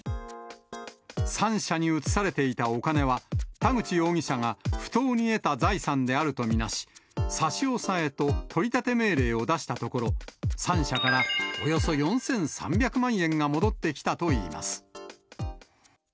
３社に移されていたお金は、田口容疑者が不当に得た財産であると見なし、差し押さえと取り立て命令を出したところ、３社からおよそ４３００万円が戻ってきたといいます。